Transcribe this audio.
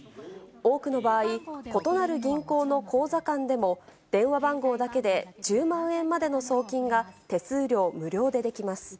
多くの場合、異なる銀行の口座間でも電話番号だけで１０万円までの送金が手数料無料でできます。